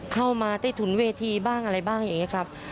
เข้ามาใต้ถุนเวทีบ้างอะไรบ้างอย่างนี้ครับ